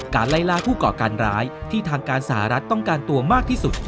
ไล่ล่าผู้ก่อการร้ายที่ทางการสหรัฐต้องการตัวมากที่สุด